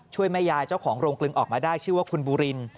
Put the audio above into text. แม่ยายเจ้าของโรงกลึงออกมาได้ชื่อว่าคุณบูริน